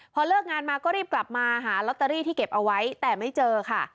พอเลิกงานมาก็รีบกลับมาหาลอตเตอรี่ที่เก็บเอาไว้แต่ไม่เจอค่ะ